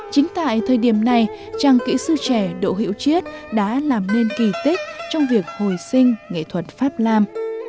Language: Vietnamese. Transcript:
chính tại thời điểm này trang kỹ sư trẻ đỗ hiệu chiết đã làm nên kỳ tích trong việc hồi sinh nghệ thuật pháp nam